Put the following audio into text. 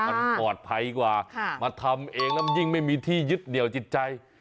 มันปลอดภัยกว่าให้มันทำเองยิ่งไม่มีที่ยึดเหนียวจิตใจ